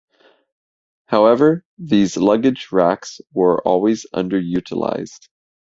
However, these luggage racks were always underutilised.